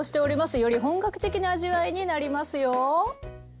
より本格的な味わいになりますよ。